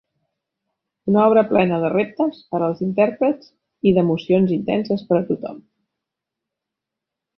Una obra plena de reptes per als intèrprets i d'emocions intenses per a tothom.